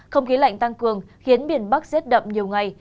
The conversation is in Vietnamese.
không khí lạnh tăng cường khiến biển bắc dết đậm nhiều ngày